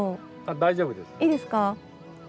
大丈夫です。